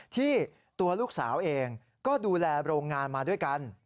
ที่ตัวลูกสาวเองก็ดูแลโรงงานมาด้วยกัน